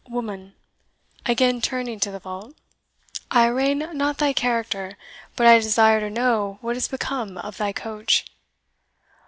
Woman," again turning to the vault, "I arraign not thy character, but I desire to know what is become of thy coach?"